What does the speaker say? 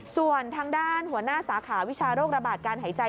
ส่วนทางด้านหัวหน้าสาขาวิชาโรคระบาดการหายใจ